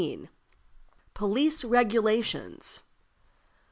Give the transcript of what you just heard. Police Regulations.